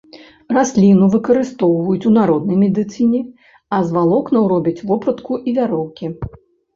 Расліну выкарыстоўваюць у народнай медыцыне, а з валокнаў робяць вопратку і вяроўкі.